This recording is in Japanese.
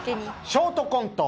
ショートコント